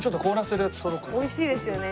おいしいですよね。